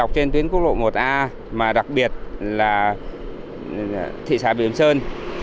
trên tuyến quốc lộ một a mà đặc biệt là thị xã bỉm sơn